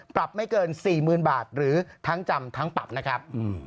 ปรับไม่เกิน๔๐๐๐บาทหรือทั้งจำทั้งปรับนะครับ